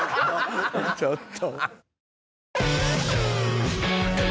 ちょっと！